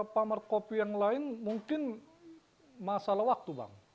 pamar kopi yang lain mungkin masalah waktu bang